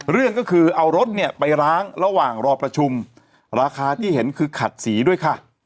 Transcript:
เรื่องก็คือเอารถเนี่ยไปล้างระหว่างรอประชุมราคาที่เห็นคือขัดสีด้วยค่ะ